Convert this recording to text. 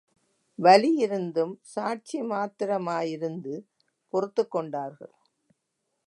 வலியிருந்தும் சாட்சி மாத்திரமாயிருந்து பொறுத்துக் கொண்டார்கள்.